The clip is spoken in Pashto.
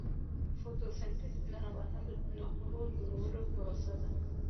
فوتوسنتیز د نباتاتو د خوړو جوړولو پروسه ده